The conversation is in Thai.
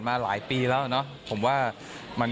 แปบเชิญรับคนอื่นส่วนไหร่